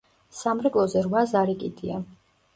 სამრეკლოზე რვა ზარი კიდია.